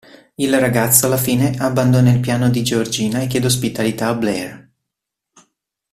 Il ragazzo, alla fine, abbandona il piano di Georgina e chiede ospitalità a Blair.